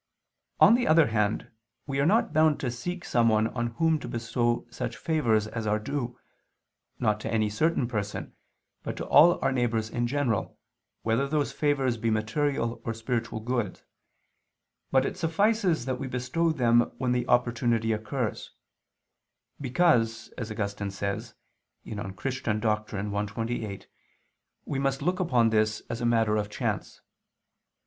On the other hand, we are not bound to seek someone on whom to bestow such favors as are due, not to any certain person, but to all our neighbors in general, whether those favors be material or spiritual goods, but it suffices that we bestow them when the opportunity occurs; because, as Augustine says (De Doctr. Christ. i, 28), we must look upon this as a matter of chance.